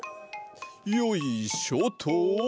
よいしょと！